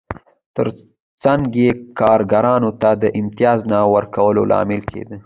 ترڅنګ یې کارګرانو ته د امتیاز نه ورکولو لامل کېده